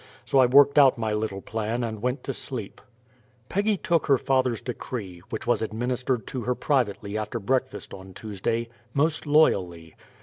So I worked out my little plan and went to sleep. Peggy took her father's decree (which was administered to her privately after breakfast on Tuesday) most loyally.